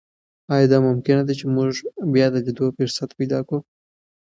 ایا دا ممکنه ده چې موږ بیا د لیدو فرصت پیدا کړو؟